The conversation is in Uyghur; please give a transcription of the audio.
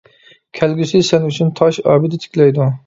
كەلگۈسى سەن ئۈچۈن تاش ئابىدە تىكلەيدۇ.